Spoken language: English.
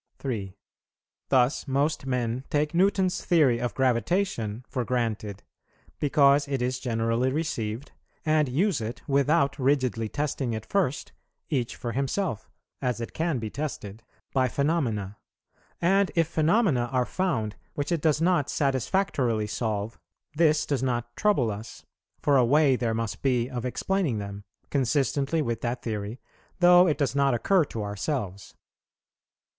3. Thus most men take Newton's theory of gravitation for granted, because it is generally received, and use it without rigidly testing it first, each for himself, (as it can be tested,) by phenomena; and if phenomena are found which it does not satisfactorily solve, this does not trouble us, for a way there must be of explaining them, consistently with that theory, though it does not occur to ourselves.